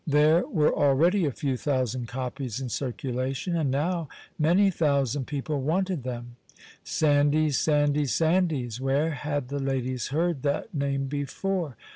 There were already a few thousand copies in circulation, and now many thousand people wanted them. Sandys, Sandys, Sandys! where had the ladies heard that name before?